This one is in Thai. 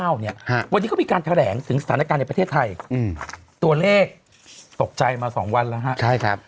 วันนี้เขามีการแถลงถึงสถานการณ์ในประเทศไทยอืมตัวเลขตกใจมาสองวันแล้วฮะใช่ครับ